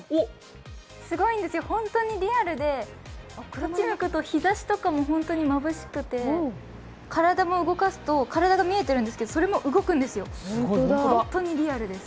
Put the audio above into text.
すごいんですよ、ホントにリアルで、こっち向くと日ざしとかもまぶしくて体も動かすと、体も見えているんですけど、それも動くんですよ、本当にリアルです。